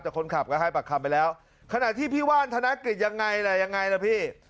แต่คนขับก็ให้ปากคำไปแล้วขณะที่พี่ว่านธนกฤษยังไงล่ะยังไงล่ะพี่